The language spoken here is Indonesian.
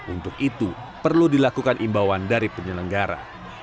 untuk itu perlu dilakukan imbauan dari penyelenggara